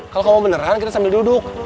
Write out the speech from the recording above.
kalau kamu beneran kita sambil duduk